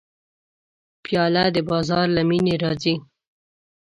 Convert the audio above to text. پیاله د بازار له مینې راځي.